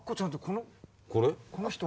この人は。